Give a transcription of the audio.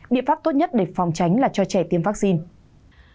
biện pháp tốt nhất để phòng tránh là cho trẻ tiêm vaccine